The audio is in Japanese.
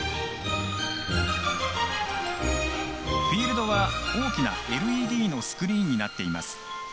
フィールドは、大きなＬＥＤのスクリーンになっています。